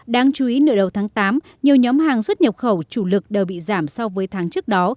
đáng chú ý nửa đầu tháng tám nhiều nhóm hàng xuất nhập khẩu chủ lực đều bị giảm so với tháng trước đó